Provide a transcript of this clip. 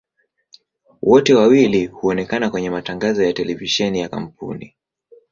Wote wawili huonekana kwenye matangazo ya televisheni ya kampuni.